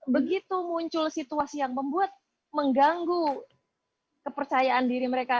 begitu muncul situasi yang membuat mengganggu kepercayaan diri mereka